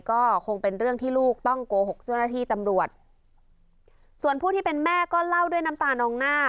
ก็คงเป็นเรื่องที่ลูกต้องโกหกเจ้าหน้าที่ตำรวจส่วนผู้ที่เป็นแม่ก็เล่าด้วยน้ำตานองหน้า